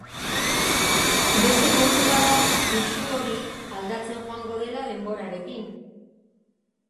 Beste kontu bat da pisu hori aldatzen joango dela denborarekin.